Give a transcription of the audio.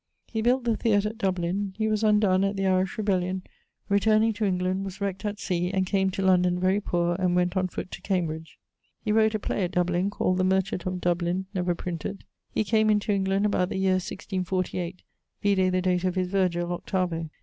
He built the theatre at Dublin. He was undon at the Irish rebellion; returning to England, was wreckt at sea, and came to London very poor and went on foot to Cambridge. He wrote a play at Dublin, call'd The Merchant of Dublin, never printed. He came into England about the yeare 1648 (vide the date of his Virgil, 8vo).